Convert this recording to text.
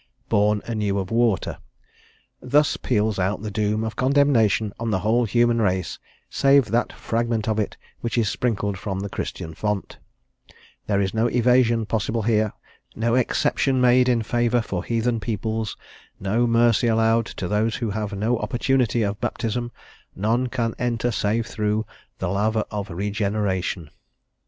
born anew of water;" thus peals out the doom of condemnation on the whole human race, save that fragment of it which is sprinkled from the Christian font; there is no evasion possible here; no exception made in favour of heathen peoples; no mercy allowed to those who have no opportunity of baptism; none can enter save through "the laver of regeneration."